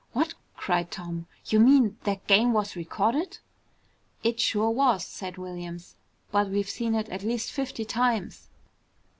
"What?" cried Tom. "You mean that game was recorded?" "It sure was," said Williams. "But we've seen it at least fifty times."